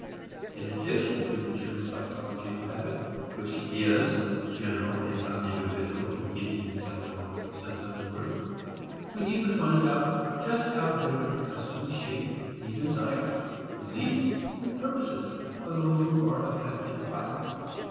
In addition to the general psychology of habit which is general not individual in any intelligible sense of that word we need to find out just how different customs shape the desires, beliefs, purposes of those who are affected by them.